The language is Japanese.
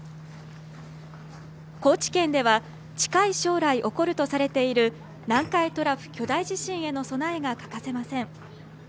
高知県では近い将来、起こるとされている南海トラフ巨大地震への備えが欠かせません。